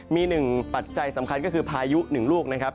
มีหนึ่งปัจจัยสำคัญก็คือพายุหนึ่งลูกนะครับ